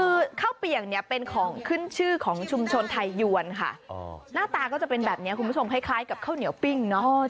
คือข้าวเปียกเนี่ยเป็นของขึ้นชื่อของชุมชนไทยยวนค่ะหน้าตาก็จะเป็นแบบนี้คุณผู้ชมคล้ายกับข้าวเหนียวปิ้งเนอะ